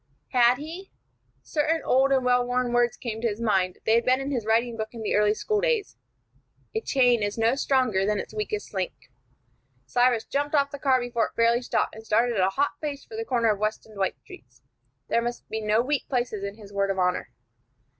Had he? Certain old and well worn words came into his mind; they had been in his writing book in the early school days: "A chain is no stronger than its weakest link." Cyrus jumped off the car before it fairly stopped, and started at a hot pace for the corner of West and Dwight Streets. There must be no weak places in his word of honor.